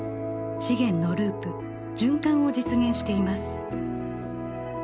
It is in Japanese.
資源のループ循環を実現しています。